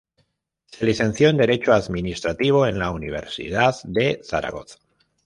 Se licenció en derecho administrativo en la Universidad de Zaragoza.